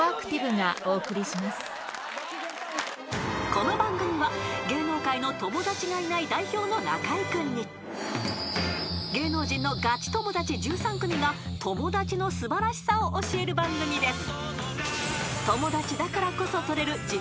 ［この番組は芸能界の友達がいない代表の中居君に芸能人のガチ友達１３組が友達の素晴らしさを教える番組です］